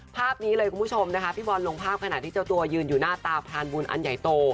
ภาพนี้เลยคุณผู้ชมนะคะพี่บอลลงภาพขณะที่เจ้าตัวยืนอยู่หน้าตาพรานบุญอันใหญ่โต